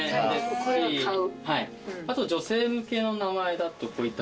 あと女性向けの名前だとこういった。